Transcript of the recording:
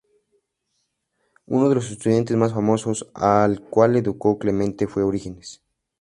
Uno de los estudiantes más famosos al cual educó Clemente fue Orígenes.